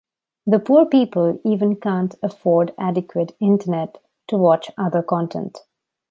The poor people even can’t afford adequate internet to watch other content.